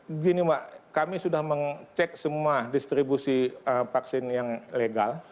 begini mbak kami sudah mengecek semua distribusi vaksin yang legal